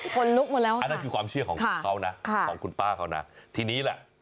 คนลุกหมดแล้วก็คือความเชื่อของคุณเป้านะค่ะของคุณป้าเขานะที่นี่ล่ะ